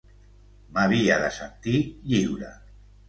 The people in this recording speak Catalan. M'havia de sentir lliure.